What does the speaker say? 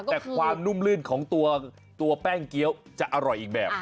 แต่ความนุ่มลื่นของตัวแป้งเกี้ยวจะอร่อยอีกแบบ